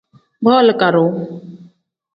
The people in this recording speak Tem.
Booli kadoo.